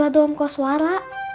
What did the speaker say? itu ada om koswara